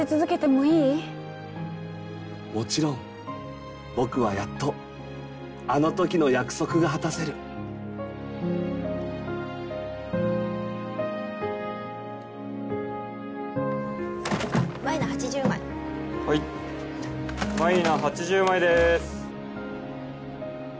もちろん僕はやっとあの時の約束が果たせる舞菜８０枚はい舞菜８０枚です